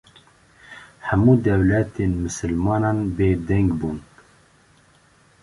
hemu dewletên mislimanan bê deng bûn